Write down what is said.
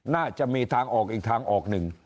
น่าจะมีทางออกอีกทางออกหนึ่ง